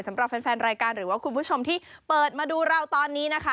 สำหรับแฟนรายการหรือว่าคุณผู้ชมที่เปิดมาดูเราตอนนี้นะคะ